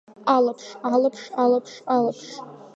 Алаԥш, алаԥш, алаԥш, алаԥш…